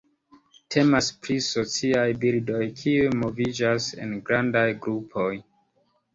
Temas pri sociaj birdoj kiuj moviĝas en grandaj grupoj.